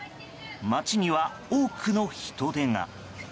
街には多くの人出が。